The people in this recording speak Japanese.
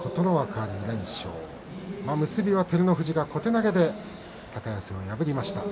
結びは照ノ富士が小手投げで高安を破りました。